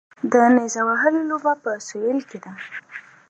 د نیزه وهلو لوبه په سویل کې ده